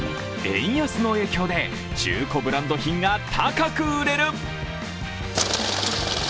円安の影響で、中古ブランド品が高く売れる。